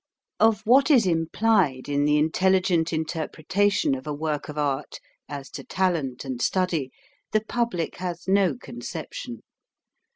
Of what is implied in the intelligent inter pretation of a work of art, as to talent and study, the public has no conception.